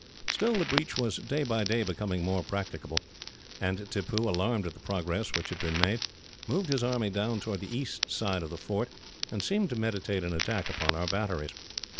Still, the breach was day by day becoming more practicable, and Tippoo, alarmed at the progress that had been made, moved his army down towards the east side of the fort, and seemed to meditate an attack upon our batteries.